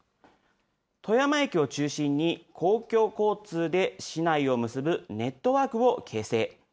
富山駅を中心に、公共交通で市内を結ぶネットワークを形成。